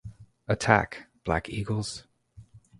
Attack, Black Eagles!